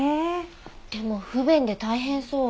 でも不便で大変そう。